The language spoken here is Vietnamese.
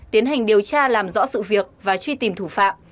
tiến hành điều tra làm rõ sự việc và truy tìm thủ phạm